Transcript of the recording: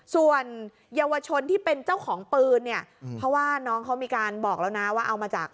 ส่วนเยาวชนที่เป็นเจ้าของปืนเนี่ยเพราะว่าน้องเขามีการบอกแล้วนะว่าเอามาจาก